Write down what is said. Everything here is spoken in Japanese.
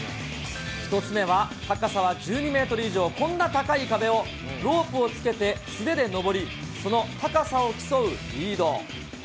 １つ目は、高さは１２メートル以上、こんな高い壁をロープをつけて素手で登り、その高さを競うリード。